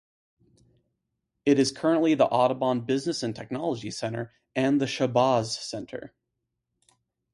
It is currently the Audubon Business and Technology Center and the Shabazz Center.